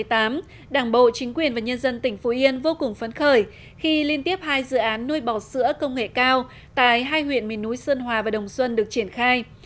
từ năm hai nghìn một mươi tám đảng bộ chính quyền và nhân dân tỉnh phú yên vô cùng phấn khởi khi liên tiếp hai dự án nuôi bò sữa công nghệ cao tại hai huyện miền núi sơn hòa và đồng xuân được triển khai